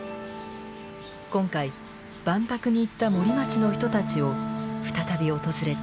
今回万博に行った森町の人たちを再び訪れた。